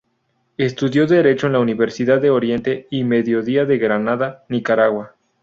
Estudió derecho en la Universidad de Oriente y Mediodía de Granada, Nicaragua.